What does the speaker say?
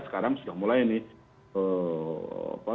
sekarang sudah mulai nih